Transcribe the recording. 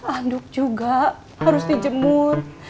anduk juga harus dijemur